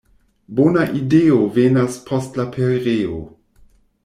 Bona ideo venas post la pereo.